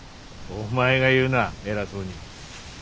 お前が言うな偉そうに。